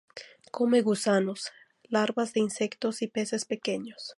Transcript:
Come gusanos, larvas de insectos y peces pequeños.